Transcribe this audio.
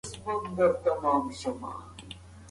که نجونې ماهي نیونکې وي نو سیندونه به تش نه وي.